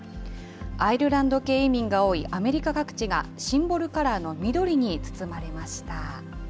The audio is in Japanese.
アイルランド系移民が多いアメリカ各地がシンボルカラーの緑に包まれました。